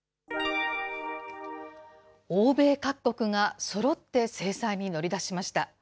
欧米各国が、そろって制裁に乗り出しました。